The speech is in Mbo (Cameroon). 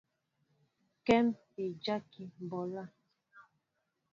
Kém é dyákí mɓolā.